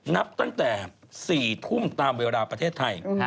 นับตั้งแต่๔ทุ่มตามเวลาประเทศไทย